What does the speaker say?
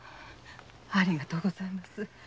ありがとうございます。